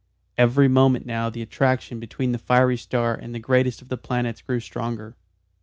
Every moment now the attraction between the fiery star and the greatest of the planets grew stronger.